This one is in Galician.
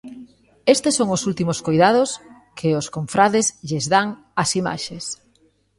Estes son os últimos coidados que os confrades lles dan as imaxes.